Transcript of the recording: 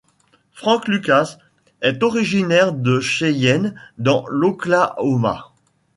Frank Lucas est originaire de Cheyenne dans l'Oklahoma.